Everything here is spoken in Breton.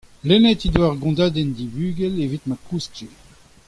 lennet he devoa ur gontadenn d'he bugel evit ma kouskje.